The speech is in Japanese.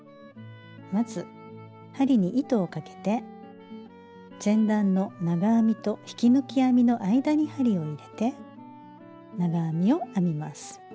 まず針に糸をかけて前段の長編みと引き抜き編みの間に針を入れて長編みを編みます。